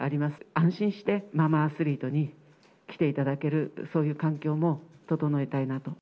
安心してママアスリートに来ていただける、そういう環境も整えたいなと。